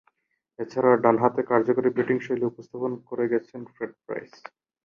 এছাড়াও, ডানহাতে কার্যকরী ব্যাটিংশৈলী উপস্থাপন করে গেছেন ফ্রেড প্রাইস।